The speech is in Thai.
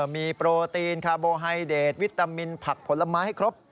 มีโปรตีนคาร์โบไฮเดทวิตามินผักผลไม้ให้ครบ